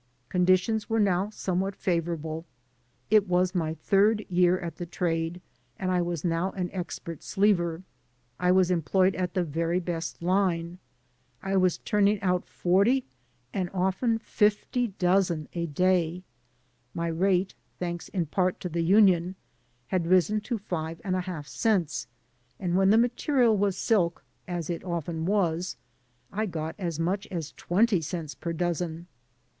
Conditions were now somewhat favorable. It was my third year at the trade and I was now an expert sleever. I was employed at the very best line; I was turning out forty and often fifty dozen a day; my rate (thanks, in part, to the union) had risen to five and a half cents, and when the material was silk, as it often was, I got as much as twenty cents per dozen.